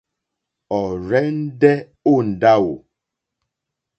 Ɔ̀rzɛ̀ndɛ́ ó ndáwò.